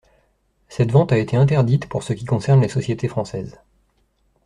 Cette vente a été interdite pour ce qui concerne les sociétés françaises.